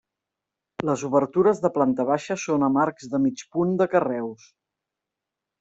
Les obertures de planta baixa són amb arcs de mig punt de carreus.